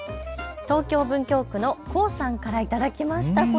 東京文京区のｋｏさんから頂きました。